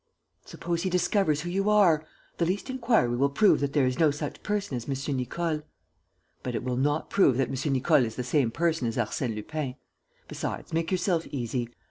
"Suppose he discovers who you are? The least inquiry will prove that there is no such person as M. Nicole." "But it will not prove that M. Nicole is the same person as Arsène Lupin. Besides, make yourself easy.